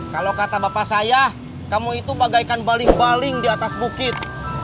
kalau kata bapak saya kamu itu bagaikan baling baling di atas bukit